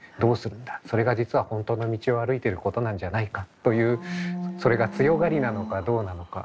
それが実は本当の道を歩いてることなんじゃないか」というそれが強がりなのかどうなのか。